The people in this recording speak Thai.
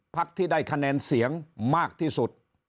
พักที่ได้คะแนนเสียงมากที่สุด